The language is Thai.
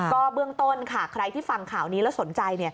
ก็เบื้องต้นค่ะใครที่ฟังข่าวนี้แล้วสนใจ